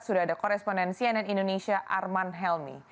sudah ada korespondensi ann indonesia arman helmi